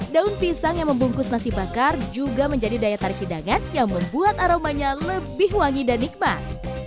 daun pisang yang membungkus nasi bakar juga menjadi daya tarik hidangan yang membuat aromanya lebih wangi dan nikmat